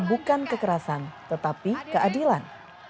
bukan kekerasan tetapi keadilan